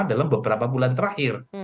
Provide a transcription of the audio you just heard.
dalam beberapa bulan terakhir